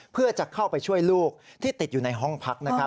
เพื่อจะเข้าไปช่วยลูกที่ติดอยู่ในห้องพักนะครับ